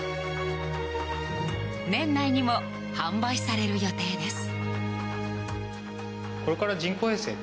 年内にも販売される予定です。